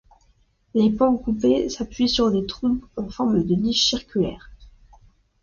Les pans coupés s'appuient sur des trompes en forme de niches circulaires.